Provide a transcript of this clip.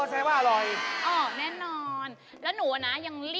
แปลงแปลงมาคอย